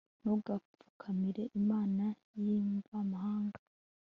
ntugapfukamire imana y'imvamahanga